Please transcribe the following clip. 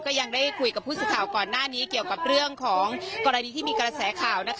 ยังได้คุยกับผู้สื่อข่าวก่อนหน้านี้เกี่ยวกับเรื่องของกรณีที่มีกระแสข่าวนะคะ